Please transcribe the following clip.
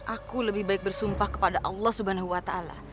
aku lebih baik bersumpah kepada allah subhanahu wa ta'ala